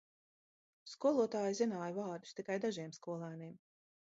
Skolotāja zināja vārdus tikai dažiem skolēniem.